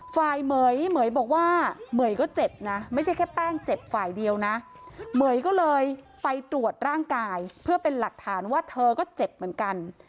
เหม๋ยเหม๋ยบอกว่าเหมยก็เจ็บนะไม่ใช่แค่แป้งเจ็บฝ่ายเดียวนะเหม๋ยก็เลยไปตรวจร่างกายเพื่อเป็นหลักฐานว่าเธอก็เจ็บเหมือนกัน